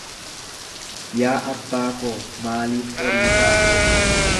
Yaa abbaa koo, maaliif oriitaa?